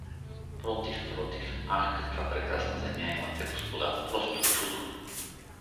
— Против, против… Ах, каква прекрасна земя имате, господа, просто чудо!